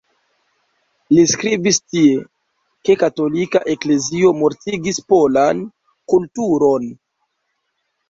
Li skribis tie, ke katolika eklezio "mortigis polan kulturon".